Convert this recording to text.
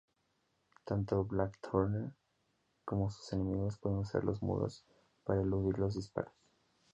Tanto "Blackthorne" como sus enemigos pueden usar los muros para eludir los disparos.